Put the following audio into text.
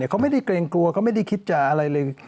เขาไม่ได้เกรงกลัวเขาไม่ได้คิดจะอะไรเลย